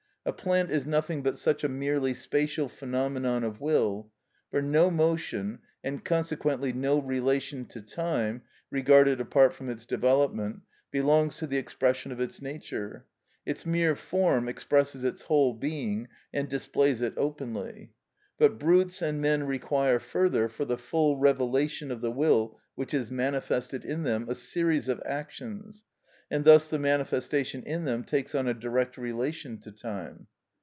A plant is nothing but such a merely spatial phenomenon of will; for no motion, and consequently no relation to time (regarded apart from its development), belongs to the expression of its nature; its mere form expresses its whole being and displays it openly. But brutes and men require, further, for the full revelation of the will which is manifested in them, a series of actions, and thus the manifestation in them takes on a direct relation to time.